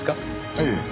ええ。